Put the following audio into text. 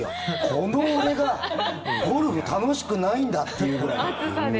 この俺がゴルフ楽しくないんだっていうぐらい。